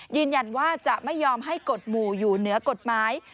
ยืนยันว่าจะไม่ยอมให้กฎหมู่อยู่เหนือกฎหมาย